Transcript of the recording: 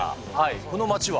この街は？